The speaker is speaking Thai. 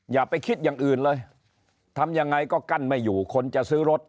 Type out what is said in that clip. อย่าไปคิดอย่างอื่นเลยทำยังไงก็กั้นไม่อยู่คนจะซื้อรถ